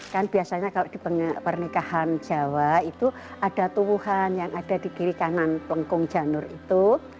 kan biasanya kalau di pernikahan jawa itu ada tuh wuhan yang ada di kiri kanan pelengkung janur itu